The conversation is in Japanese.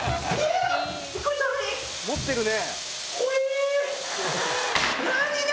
「持ってるね！」